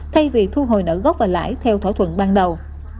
thay vì thu hồi nợ gốc và lãi theo thỏa thuận ban đầu